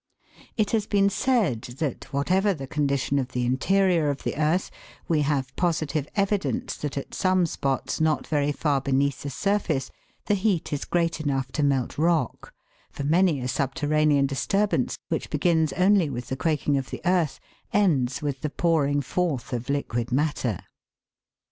It has been said that whatever the condition of the interior of the earth, we have positive evidence that at some spots not very far beneath the surface, the heat is great enough to melt rock, for many a subterranean dis turbance, which begins only with the quaking of the earth, ends with the pouring forth of liquid matter.